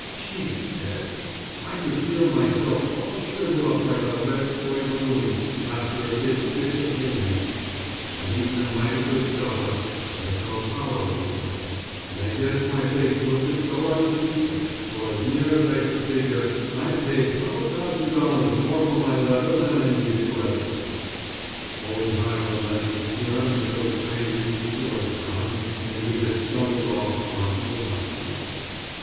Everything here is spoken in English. Gee! Ted, I could feel myself all shrivel up like a red toy balloon after a kid sticks a pin in it. I'd eaten a mighty good supper, but I felt hollow inside, and I guess my face looked as though I was seasick, for as near as I could figure I'd paid $12,000 more for my leather than I needed to have done. Old Hiram let me squirm until the train reached Georgetown and we had stumbled off on to the platform.